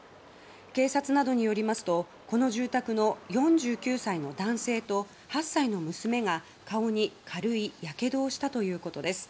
警察などによりますとこの住宅の４９歳の男性と８歳の娘が顔に軽いやけどをしたということです。